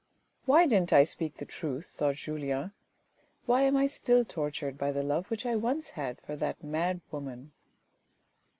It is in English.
" Why didn't I speak the truth ?" thought Julien. " Why am I still tortured by the love which I once had for that mad woman